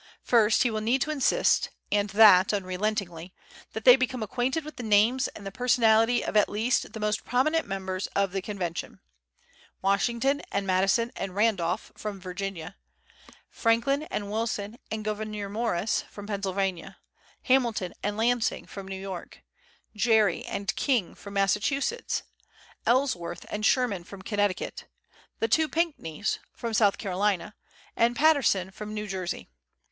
First he will need to insist, and that unrelentingly, that they become acquainted with the names and the personality of at least the most prominent members of the Convention: Washington and Madison and Randolph, from Virginia; Franklin and Wilson and Gouverneur Morris, from Pennsylvania; Hamilton and Lansing, from New York; Gerry and King, from Massachusetts; Ellsworth and Sherman, from Connecticut; the two Pinckneys, from South Carolina; and Patterson, from New Jersey.